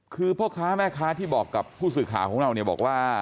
คือพ่อค้าแม่ค้าที่บอกกับผู้สื่อข่าวของเราเนี่ยบอกว่า